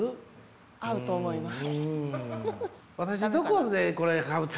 合うと思います。